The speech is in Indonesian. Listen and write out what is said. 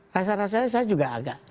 rasa rasanya saya juga agak